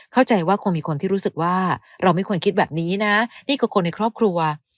เข้าใจว่าคงมีคนที่รู้สึกว่าเราไม่ควรคิดแบบนี้นะนี่คือคนในครอบครัว